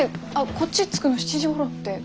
こっち着くの７時ごろって。